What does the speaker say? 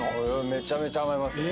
「めちゃめちゃ甘えますね」